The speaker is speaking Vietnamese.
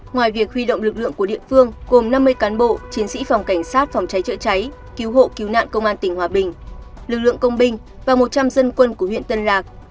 ngoài việc huy động lực lượng của địa phương gồm năm mươi cán bộ chiến sĩ phòng cảnh sát phòng cháy chữa cháy cứu hộ cứu nạn công an tỉnh hòa bình lực lượng công binh và một trăm linh dân quân của huyện tân lạc